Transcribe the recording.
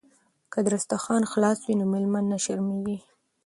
که دسترخوان خلاص وي نو میلمه نه شرمیږي.